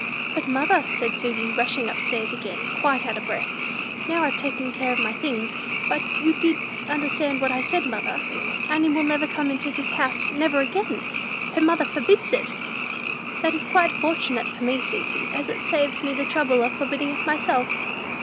"But, mother," said Susy, rushing up stairs again, quite out of breath, "now I've taken care of my things; but did you understand what I said, mother? Annie will never come into this house, never again! Her mother forbids it!" "That is quite fortunate for me, Susy, as it saves me the trouble of forbidding it myself!"